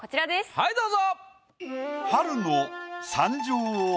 はいどうぞ。